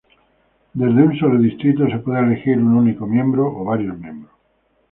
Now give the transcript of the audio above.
Desde un solo distrito, se puede elegir un único miembro o varios miembros.